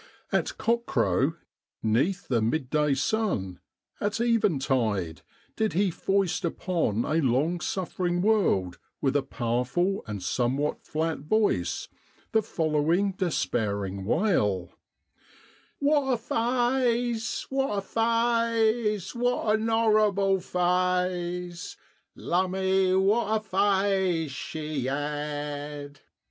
At cockcrow, 'neath the midday sun, at eventide, did he foist upon a long suffering world, with a powerful and somewhat flat voice, the following despairing wail :" What a faice, what a faice, what a norrible faice, lumme, what a faice she 'ad."